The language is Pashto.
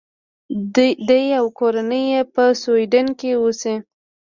دی او کورنۍ یې په سویډن کې اوسي.